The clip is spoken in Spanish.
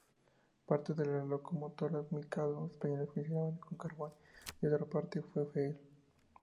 Parte de las locomotoras Mikado españolas funcionaban con carbón y otra parte con fuel.